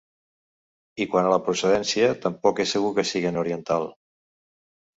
I quant a la procedència, tampoc és segur que siguen oriental.